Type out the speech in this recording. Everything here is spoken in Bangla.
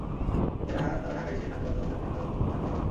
এতে তারা ঢাকায় এসে থাকতে বাধ্য হবে, ঢাকার ওপর চাপ আরও বাড়বে।